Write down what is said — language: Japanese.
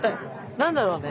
何だろうね。